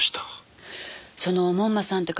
その門馬さんて方